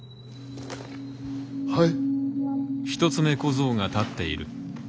はい？